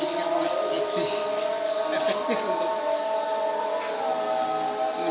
karena kami suka melakukan